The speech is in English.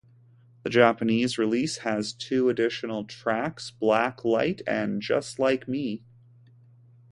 The Japanese release has two additional tracks: "Black Light" and "Just Like Me.